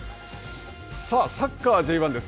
さあサッカーＪ１です。